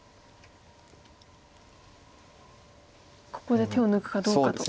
ここで手を抜くかどうかと。